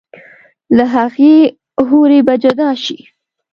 لۀ هغې حورې به جدا شي